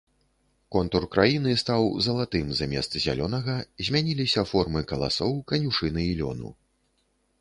Контур краіны стаў залатым замест зялёнага, змяніліся формы каласоў, канюшыны і лёну.